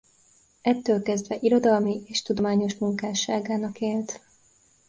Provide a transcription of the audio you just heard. Ettől kezdve irodalmi és tudományos munkásságának élt.